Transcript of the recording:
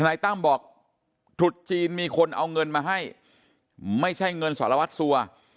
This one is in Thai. นายตั้มบอกตรุษจีนมีคนเอาเงินมาให้ไม่ใช่เงินสารวัตรสัว